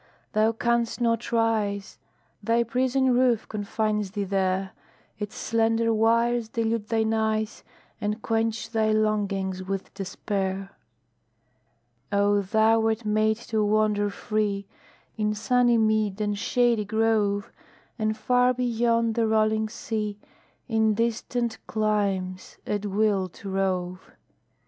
Thou canst not rise: Thy prison roof confines thee there; Its slender wires delude thine eyes, And quench thy longings with despair. Oh, thou wert made to wander free In sunny mead and shady grove, And far beyond the rolling sea, In distant climes, at will to rove!